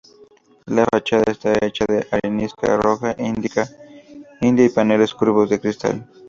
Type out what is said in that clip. La fachada está hecha de arenisca roja india y paneles curvos de cristal.